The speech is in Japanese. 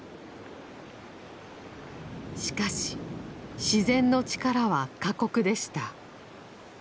しかし自然の力は過酷でした。